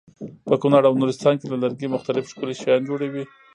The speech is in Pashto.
په کونړ او نورستان کې له لرګي مختلف ښکلي شیان جوړوي.